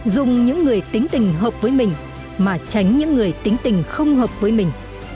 dùng những người tính tình hợp với mình mà tránh những người tính tình không hợp với mình